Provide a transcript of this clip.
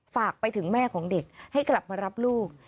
ฝากไปถึงแม่ของเด็กให้กลับมารับลูก